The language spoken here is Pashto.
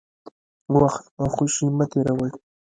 وخت خوشي مه تېروئ.